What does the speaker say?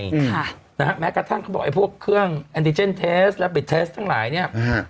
นะฮะแม้กระทั่งพวกเครื่องแอนติเจนเทสและแบตเทสทั้งหลายเนี่ย